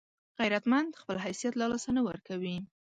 غیرتمند خپل حیثیت له لاسه نه ورکوي